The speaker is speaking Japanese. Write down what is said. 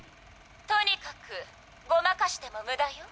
とにかくごまかしても無駄よ